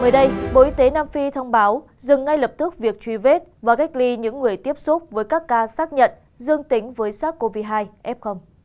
mới đây bộ y tế nam phi thông báo dừng ngay lập tức việc truy vết và cách ly những người tiếp xúc với các ca xác nhận dương tính với sars cov hai f